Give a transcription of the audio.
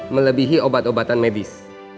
melebihi obat obatan medis